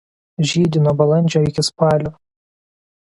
Žydi nuo balandžio iki spalio.